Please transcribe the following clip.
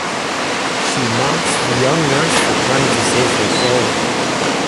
She mocks the young nurse for trying to save her soul.